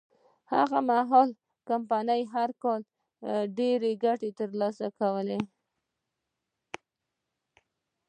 هغه مهال کمپنۍ هر کال ډېره ګټه ترلاسه کوله.